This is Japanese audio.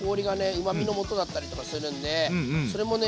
うまみのもとだったりとかするんでそれもね